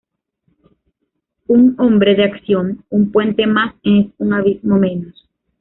Un hombre de acción "un puente más es un abismo menos".